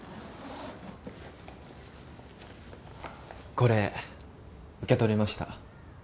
これ受け取りました